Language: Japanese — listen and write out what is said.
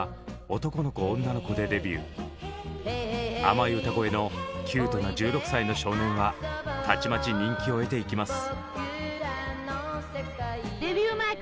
甘い歌声のキュートな１６歳の少年はたちまち人気を得ていきます。